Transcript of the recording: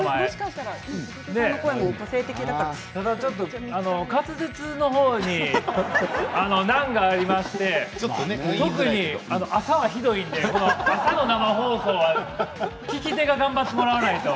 ただ滑舌の方に難がありまして特に朝はひどいので朝の生放送は聞き手が頑張ってもらわないと。